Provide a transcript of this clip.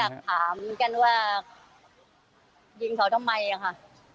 ก็อยากถามกันว่ายิงเขาทำไมอ่ะค่ะ